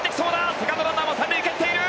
セカンドランナーも三塁を蹴っている。